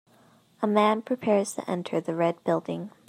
A man prepares to enter the red building.